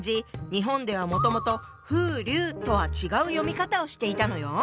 日本ではもともと「ふうりゅう」とは違う読み方をしていたのよ。